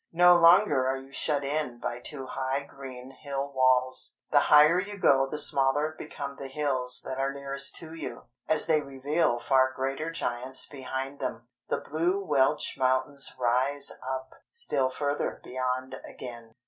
No longer are you shut in by two high green hill walls, the higher you go the smaller become the hills that are nearest to you, as they reveal far greater giants behind them. The blue Welsh mountains rise up, still further beyond again.